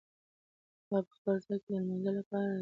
هغه په خپل ځای کې د لمانځه لپاره را سم شو.